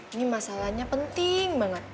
ini masalahnya penting banget